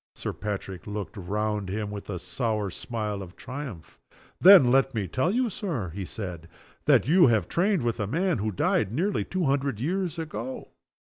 Sir Patrick looked round him with a sour smile of triumph. "Then let me tell you, Sir," he said, "that you trained with a man who died nearly two hundred years ago."